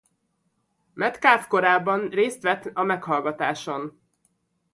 Metcalfe korábban részt vett a meghallgatáson.